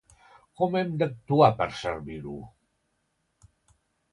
Com hem d'actuar per servir-ho?